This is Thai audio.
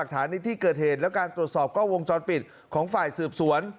ในที่เกิดเหตุและการตรวจสอบกล้องวงจรปิดของฝ่ายสืบสวน